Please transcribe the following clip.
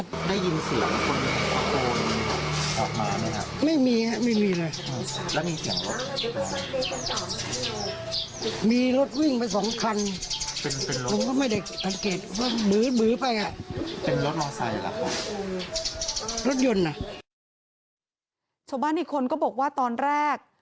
ชาวบ้านอีกคนก็บอกว่าตอนแรก